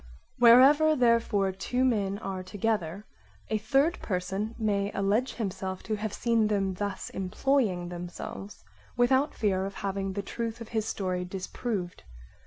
Wherever, therefore, two men are together, a third person may alledge himself' to have seen them thus employing themselves without fear of having the truth of his story disproved.